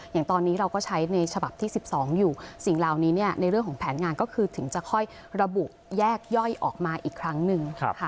อย่างตอนนี้เราก็ใช้ในฉบับที่๑๒อยู่สิ่งเหล่านี้ในเรื่องของแผนงานก็คือถึงจะค่อยระบุแยกย่อยออกมาอีกครั้งหนึ่ง